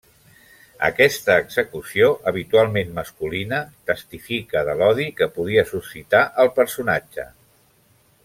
Aquesta execució habitualment masculina, testifica de l'odi que podia suscitar el personatge.